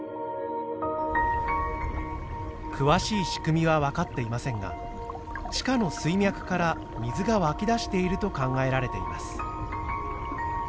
詳しい仕組みは分かっていませんが地下の水脈から水が湧き出していると考えられています。